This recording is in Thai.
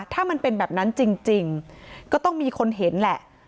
ถ้ามันเป็นแบบนั้นจริงก็ต้องมีคนเห็นแหละ